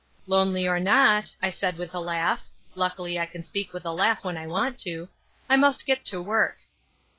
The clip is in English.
"Lonely or not," I said with a laugh (luckily I can speak with a laugh when I want to), "I must get to work."